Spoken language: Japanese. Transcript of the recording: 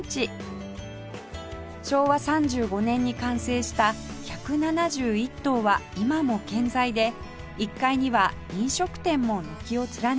昭和３５年に完成した１７１棟は今も健在で１階には飲食店も軒を連ねています